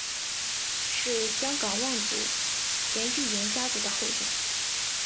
是香港望族颜玉莹家族的后人。